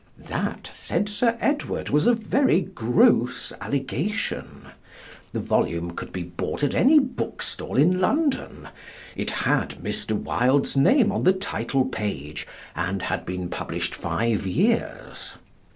That, said Sir Edward, was a very gross allegation. The volume could be bought at any bookstall in London. It had Mr. Wilde's name on the title page, and had been published five years.